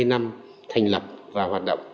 hai mươi năm thành lập và hoạt động